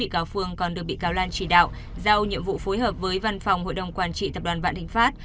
cao phương còn được bị cao lan trì đạo giao nhiệm vụ phối hợp với văn phòng hội đồng quản trị tập đoàn vạn thịnh pháp